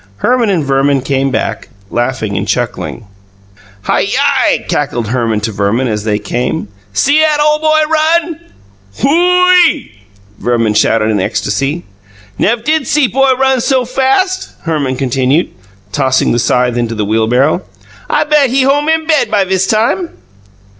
Herman and Verman came back, laughing and chuckling. "Hiyi!" cackled Herman to Verman, as they came, "See 'at ole boy run!" "Who ee!" Verman shouted in ecstasy. "Nev' did see boy run so fas'!" Herman continued, tossing the scythe into the wheelbarrow. "I bet he home in bed by viss time!"